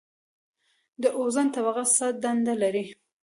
د اوزون طبقه څه دنده لري؟